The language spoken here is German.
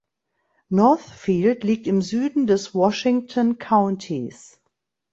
Northfield liegt im Süden des Washington Countys.